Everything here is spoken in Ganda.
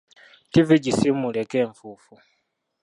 Ttivvi gisiimuuleko enfuufu.